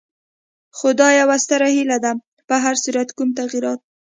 خو دا یوه ستره هیله ده، په هر صورت کوم تغیرات.